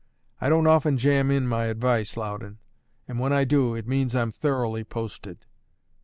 I don't often jam in my advice, Loudon; and when I do, it means I'm thoroughly posted."